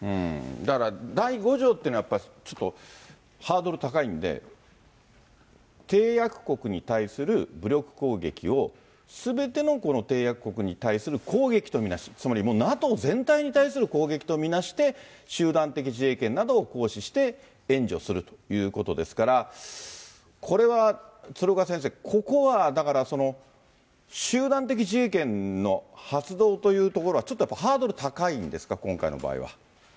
だから第５条っていうのはやっぱり、ちょっとハードル高いんで、締約国に対する武力攻撃をすべての締約国に対する攻撃と見なし、つまりもう、ＮＡＴＯ全体に対する攻撃とみなして、集団的自衛権などを行使して援助するということですから、これは鶴岡先生、ここはだから、集団的自衛権の発動というところはちょっとやっぱりハードル高いんですか、今回の場合は。